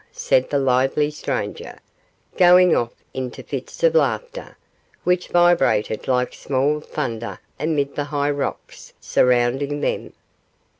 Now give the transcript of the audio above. said the lively stranger, going off into fits of laughter, which vibrated like small thunder amid the high rocks surrounding them.